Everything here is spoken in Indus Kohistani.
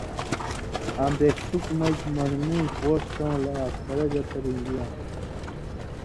آں بېکتُک مژ مہ من٘ڑنَیں پوسٹؤں لا افسرہ گتہ رِن٘گی یان٘س۔